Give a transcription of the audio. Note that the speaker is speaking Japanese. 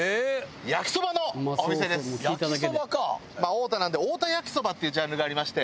太田なので太田焼きそばっていうジャンルがありまして。